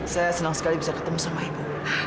saya senang sekali bisa ketemu sama ibu